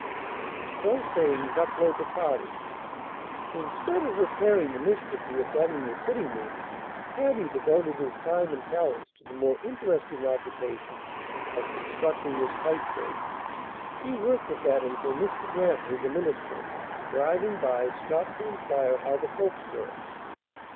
So saying, Ducklow departed. Instead of repairing the mischief he had done in the sitting room, Taddy devoted his time and talents to the more interesting occupation of constructing his kite frame. He worked at that until Mr. Grantly, the minister, driving by, stopped to inquire how the folks were.